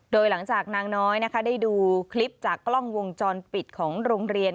โดยหลังจากนางน้อยนะคะได้ดูคลิปจากกล้องวงจรปิดของโรงเรียน